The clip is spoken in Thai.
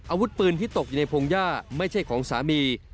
อาวุธปืนที่ตกอยู่ในพงหญ้าไม่ใช่ของสามี